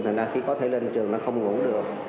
nên khi có thể lên trường nó không ngủ được